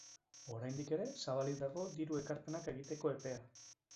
Oraindik ere zabalik dago diru ekarpenak egiteko epea.